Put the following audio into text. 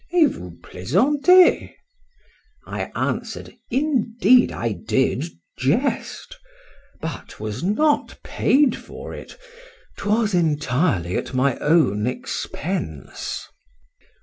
—Et vous plaisantez?—I answered, Indeed I did jest,—but was not paid for it;—'twas entirely at my own expense.